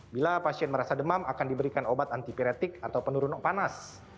bila pasien merasa demam akan diberikan obat antipiretik atau penurunan panas